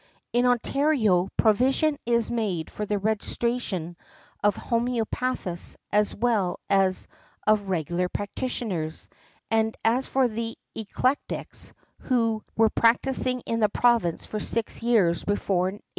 In Ontario, provision is made for the registration of Homœopathists as well as of regular practitioners, and for the Eclectics who were practising in the Province for six years before 1874.